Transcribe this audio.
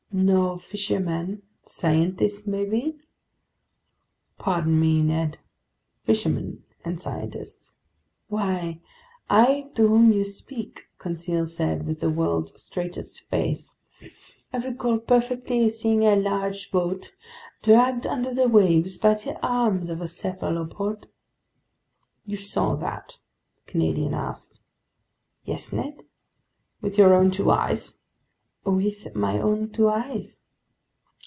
"No fishermen. Scientists maybe!" "Pardon me, Ned. Fishermen and scientists!" "Why, I to whom you speak," Conseil said with the world's straightest face, "I recall perfectly seeing a large boat dragged under the waves by the arms of a cephalopod." "You saw that?" the Canadian asked. "Yes, Ned." "With your own two eyes?" "With my own two eyes."